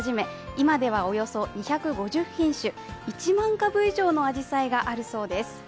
今ではおよそ２５０品種、１万株以上のあじさいがあるそうです。